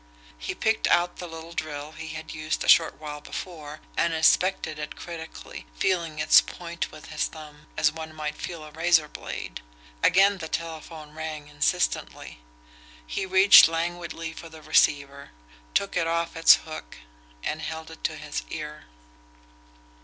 He picked out the little drill he had used a short while before, and inspected it critically feeling its point with his thumb, as one might feel a razor's blade. Again the telephone rang insistently. He reached languidly for the receiver, took it off its hook, and held it to his ear.